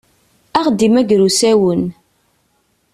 Ad aɣ-d-immager usawen.